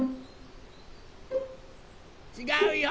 ・ちがうよ。